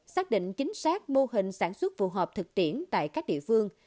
xác định chính xác mô hình sản xuất phù hợp thực tiễn tại các địa phương